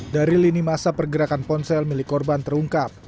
dari lini masa pergerakan ponsel milik korban terungkap